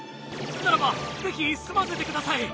ならば是非住ませてください！